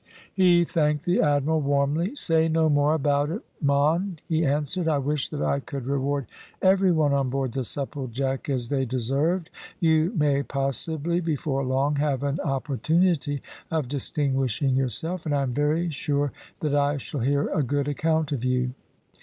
He thanked the admiral warmly. "Say no more about it, mon," he answered. "I wish that I could reward every one on board the Supplejack as they deserved. You may possibly before long have an opportunity of distinguishing yourself, and I am very sure that I shall hear a good account of you."